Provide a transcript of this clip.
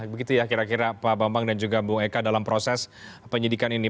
begitu ya kira kira pak bambang dan juga bung eka dalam proses penyidikan ini